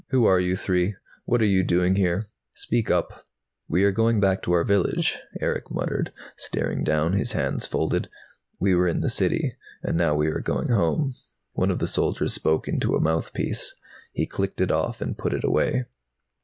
Who are you three? What are you doing here? Speak up." "We we are going back to our village," Erick muttered, staring down, his hands folded. "We were in the City, and now we are going home." One of the soldiers spoke into a mouthpiece. He clicked it off and put it away.